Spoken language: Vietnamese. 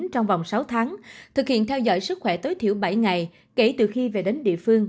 trong vòng sáu tháng thực hiện theo dõi sức khỏe tối thiểu bảy ngày kể từ khi về đến địa phương